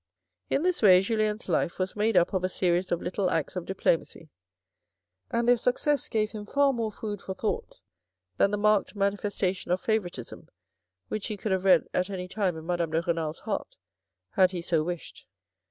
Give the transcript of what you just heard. In this way Julien's life was made up of a series of little acts of diplomacy, and their success gave him far more food for thought than the marked manifestation of favouritism which he could have read at any time in Madame de Renal's heart, had he so wished.